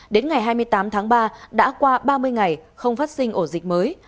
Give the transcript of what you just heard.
đến ngày hai mươi tám tháng ba đã qua ba mươi ngày không phát sinh ổ dịch mới